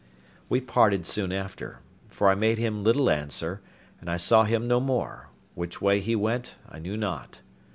We parted soon after; for I made him little answer, and I saw him no more; which way he went I knew not.